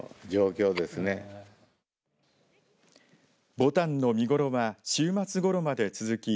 ぼたんの見頃は週末ごろまで続き